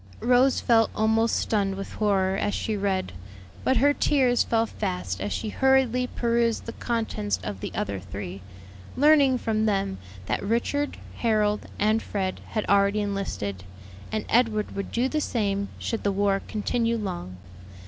Rose felt almost stunned with horror as she read; but her tears fell fast as she hurriedly perused the contents of the other three, learning from them that Richard, Harold, and Fred had already enlisted, and Edward would do the same should the war continue long.